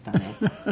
フフフ！